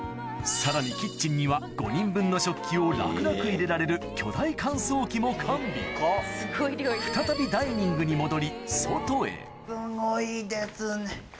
さらにキッチンには５人分の食器を楽々入れられるも完備再びダイニングに戻りすごいですね。